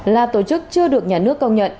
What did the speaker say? là tổ chức chưa được nhà nước công nhận